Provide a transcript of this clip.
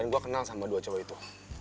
dan gue kenal sama dua cowok itu